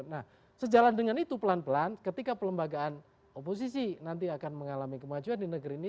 nah sejalan dengan itu pelan pelan ketika pelembagaan oposisi nanti akan mengalami kemajuan di negeri ini